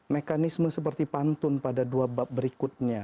mekanisme seperti pantun pada dua bab berikutnya